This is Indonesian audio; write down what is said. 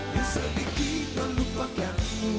yang sedikit melupakanmu